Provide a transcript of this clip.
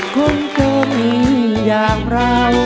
คงจะมีอย่างไร